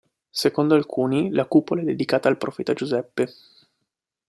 Secondo alcuni, la cupola è dedicata al profeta Giuseppe.